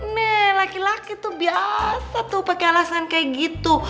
nih laki laki tuh biasa tuh pakai alasan kayak gitu